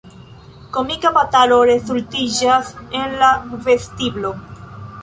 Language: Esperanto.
Komika batalo rezultiĝas en la vestiblo.